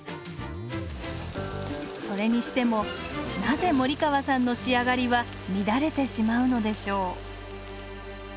それにしてもなぜ森川さんの仕上がりは乱れてしまうのでしょう？